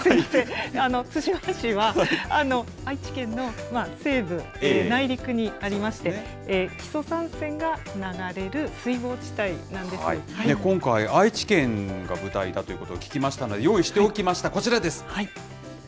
津島市は、愛知県の西部内陸にありまして、木曽三川が流れる水郷地帯なんで今回、愛知県が舞台だということを聞きましたので、用意しておきました、こちらです。